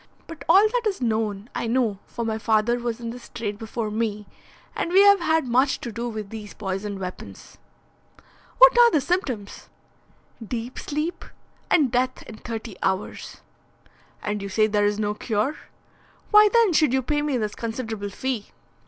But all that is known I know, for my father was in this trade before me, and we have had much to do with these poisoned weapons." "What are the symptoms?" "Deep sleep, and death in thirty hours." "And you say there is no cure. Why then should you pay me this considerable fee?"